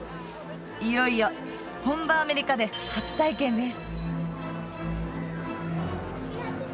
いよいよ本場アメリカで初体験です